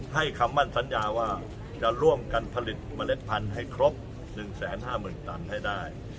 คำมั่นสัญญาว่าจะร่วมกันผลิตเมล็ดพันธุ์ให้ครบ๑๕๐๐๐ตันให้ได้